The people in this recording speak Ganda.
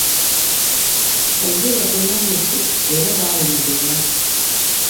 Baggye bateme omuti era baalemererwa.